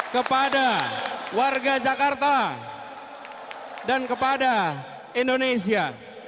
kepada warga jakarta dan kepada indonesia